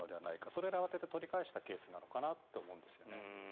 それで慌てて取り返したケースじゃないかと思うんですよね。